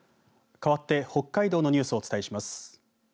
かわって、北海道のニュースをお伝えします。